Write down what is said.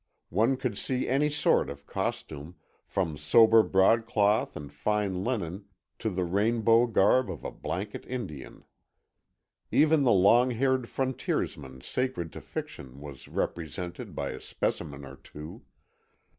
One could see any sort of costume, from sober broadcloth and fine linen to the rainbow garb of a blanket Indian. Even the long haired frontiersman sacred to fiction was represented by a specimen or two.